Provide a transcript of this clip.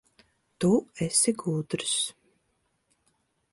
Tu esi gudrs.